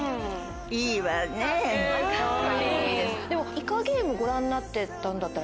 ・『イカゲーム』ご覧になってたんだったら。